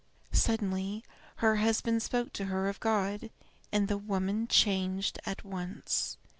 Suddenly her husband spoke to her of God, and the woman changed at once.